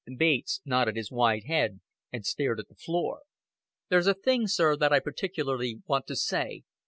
Bates nodded his white head and stared at the floor. "There's a thing, sir, that I particularly want to say.